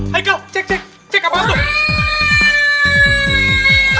haikal cek cek cek apaan tuh